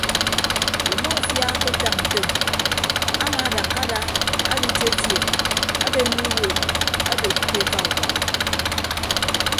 Umọfia aketañ ntom amaadakka ada aditietie abenne iwuud adod ke eka ubọk.